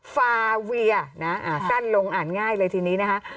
ฟาเวียนะสั้นลงอ่านง่ายเลยทีนี้นะคะ